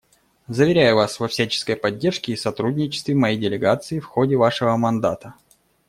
Заверяю вас во всяческой поддержке и сотрудничестве моей делегации в ходе вашего мандата.